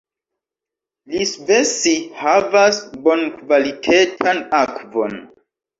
Iisvesi havas bonkvalitetan akvon.